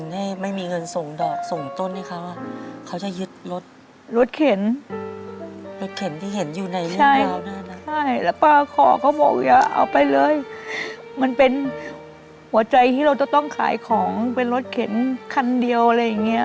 เฮ้ยมันเป็นหัวใจที่เราต้องขายของเป็นรถเข็นคันเดียวอะไรอย่างเงี้ย